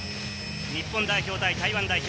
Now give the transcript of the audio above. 日本代表対台湾代表。